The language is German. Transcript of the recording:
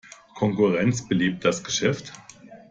Konkurrenz belebt das Geschäft.